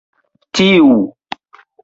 Tiu!